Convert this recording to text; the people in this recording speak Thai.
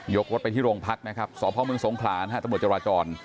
ยกรถไปที่โรงพัฒน์นะครับสมแลึกสงขลาตำรวจจราจร